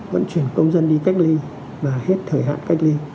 vận chuyển công dân đi cách ly và hết thời hạn cách ly